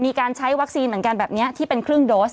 มีการใช้วัคซีนเหมือนกันแบบนี้ที่เป็นครึ่งโดส